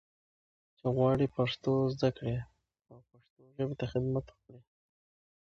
چې غواړي پښتو زده کړي او پښتو ژبې ته خدمت وکړي.